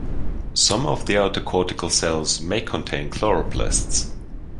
Some of the outer cortical cells may contain chloroplasts.